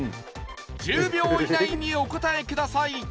１０秒以内にお答えください